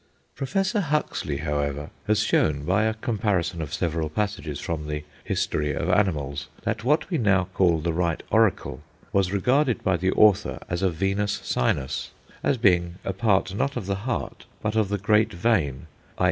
Professor Huxley, however, has shown, by a comparison of several passages from the "History of Animals," that what we now call the right auricle was regarded by the author as a venous sinus, as being a part not of the heart, but of the great vein (_i.